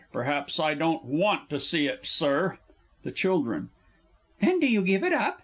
Perhaps I don't want to see it, Sir! THE CHILDREN. Then do you give it up?